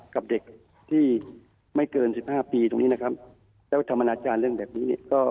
กับเด็กที่ไม่เกิน๑๕ปีตรงนี้นะครับแล้วทำอนาจารย์เรื่องแบบนี้